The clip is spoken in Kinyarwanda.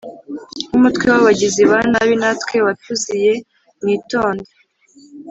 wumutwe w abagizi ba nabi natwe watuziye mwitonde